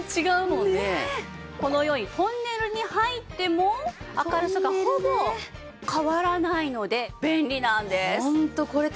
このようにトンネルに入っても明るさがほぼ変わらないので便利なんです。